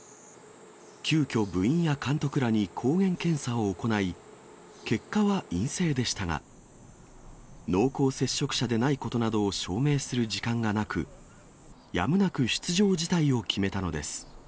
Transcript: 急きょ、部員や監督らに抗原検査を行い、結果は陰性でしたが、濃厚接触者でないことなどを証明する時間がなく、やむなく出場辞退を決めたのです。